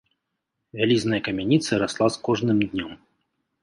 Вялізная камяніца расла з кожным днём.